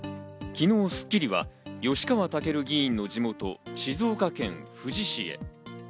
昨日『スッキリ』は、吉川赳議員の地元・静岡県富士市へ。